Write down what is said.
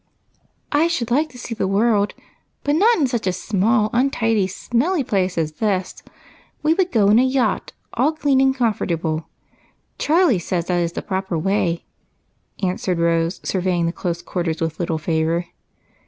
" I should like to see the world, but not in such a small, untidy, smelly place as this. We would go in a yacht all clean and comfortable ; Charlie says that is the proper way," answered Rose, surveying the close quarters with little favor.